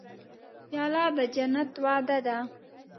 پیاله د جنت وعده ده.